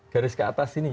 garis ke atas ini